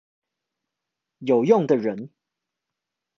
有用的人